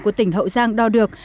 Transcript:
của tỉnh hậu giang đo được